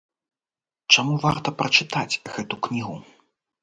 Чаму варта прачытаць гэту кнігу?